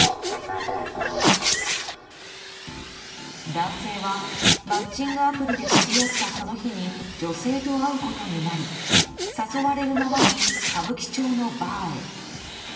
男性はマッチングアプリで知り合ったその日に女性と会うことになり誘われるままに歌舞伎町のバーへ。